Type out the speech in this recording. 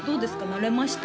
慣れました？